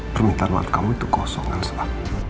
permintaan mat kamu itu kosong elsa